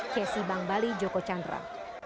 kesi bank bali joko chandra